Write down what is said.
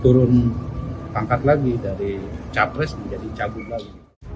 turun pangkat lagi dari capres menjadi cagup lagi